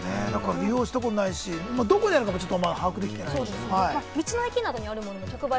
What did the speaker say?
利用したことないし、どこにあるかもわかんない。